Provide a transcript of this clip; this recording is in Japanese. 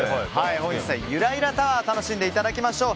本日は、ゆらゆらタワーを楽しんでいただきましょう。